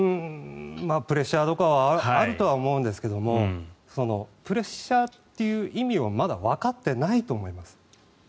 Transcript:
プレッシャーとかあるとは思うんですけどプレッシャーっていう意味をまだわかってないと思います。